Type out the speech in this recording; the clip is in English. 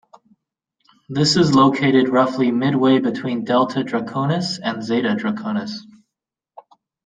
This is located roughly midway between Delta Draconis and Zeta Draconis.